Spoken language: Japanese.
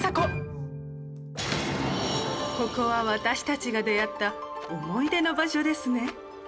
ここは私たちが出会った思い出の場所ですね。